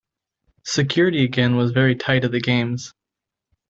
Security again was very tight at the games.